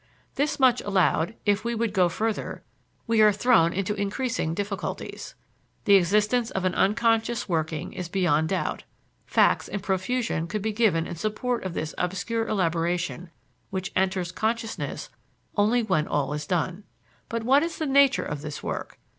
This much allowed, if we would go further, we are thrown into increasing difficulties. The existence of an unconscious working is beyond doubt; facts in profusion could be given in support of this obscure elaboration which enters consciousness only when all is done. But what is the nature of this work?